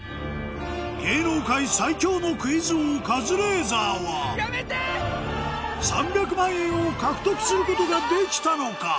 芸能界最強のクイズ王カズレーザーは３００万円を獲得することができたのか？